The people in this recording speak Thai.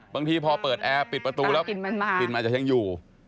บางทีพอเปิดแอร์ปิดประตูแล้วตั้งกลิ่นมันมาตั้งกลิ่นมันจะยังอยู่